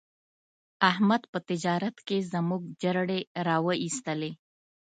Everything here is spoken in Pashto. احمد په تجارت کې زموږ جرړې را و ایستلې.